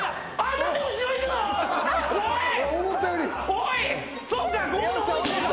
おい！